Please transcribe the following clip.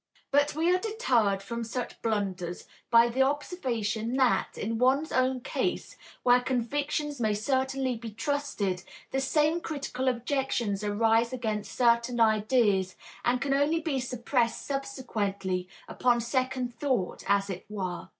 But we are deterred from such blunders by the observation that, in one's own case, where convictions may certainly be trusted, the same critical objections arise against certain ideas, and can only be suppressed subsequently, upon second thought, as it were.